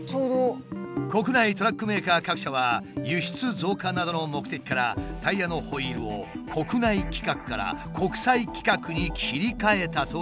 国内トラックメーカー各社は輸出増加などの目的からタイヤのホイールを国内規格から国際規格に切り替えたという。